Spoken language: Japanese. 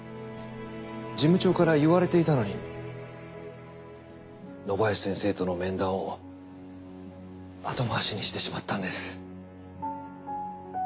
事務長から言われていたのに野林先生との面談を後回しにしてしまったんです。